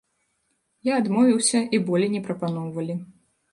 Я адмовіўся, і болей не прапаноўвалі.